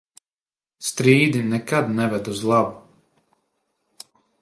Strīdi nekad neved uz labu.